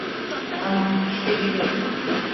Tamam, işte geliyor.